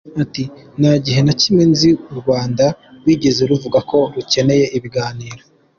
Ati “Nta gihe na kimwe nzi u Rwanda rwigeze ruvuga ko rukeneye ibiganiro.